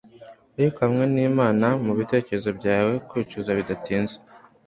ariko hamwe nimana mubitekerezo byawe kwicuza bidatinze